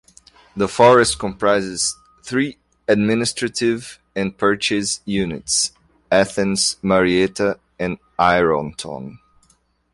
The forest comprises three administrative and purchase units: Athens, Marietta, and Ironton.